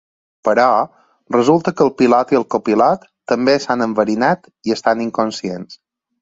Però, resulta que el pilot i el copilot també s'han enverinat i estan inconscients.